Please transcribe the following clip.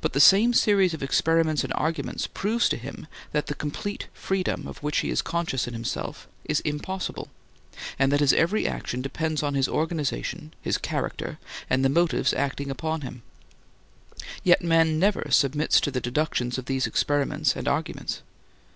But the same series of experiments and arguments proves to him that the complete freedom of which he is conscious in himself is impossible, and that his every action depends on his organization, his character, and the motives acting upon him; yet man never submits to the deductions of these experiments and arguments.